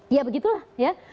ya begitu lah ya